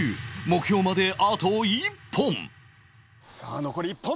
目標まであと１本さあ残り１本。